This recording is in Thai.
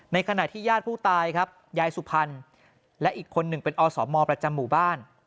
ขณะที่ญาติผู้ตายครับยายสุพรรณและอีกคนหนึ่งเป็นอสมประจำหมู่บ้าน